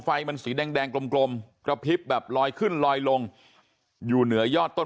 ไฟมันสีแดงกลมกระพริบแบบลอยขึ้นลอยลงอยู่เหนือยอดต้น